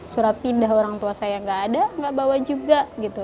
surat pindah orang tua saya nggak ada nggak bawa juga gitu